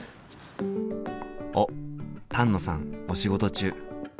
おっ丹野さんお仕事中。